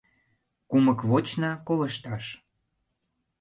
Кумык вочна колышташ...